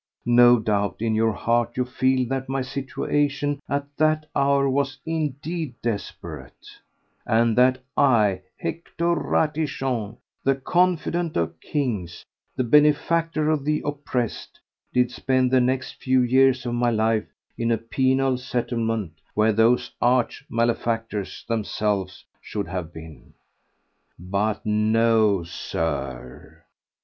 No doubt in your heart you feel that my situation at that hour was indeed desperate, and that I—Hector Ratichon, the confidant of kings, the benefactor of the oppressed—did spend the next few years of my life in a penal settlement, where those arch malefactors themselves should have been. But no, Sir!